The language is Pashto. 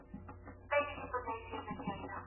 پر ماشومانو چغې مه وهه